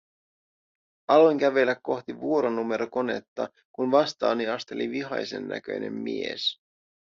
Aloin kävellä kohti vuoronumerokonetta, kun vastaani asteli vihaisennäköinen mies.